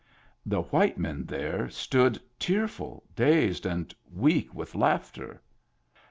The white men there stood tearful, dazed, and weak with laughter.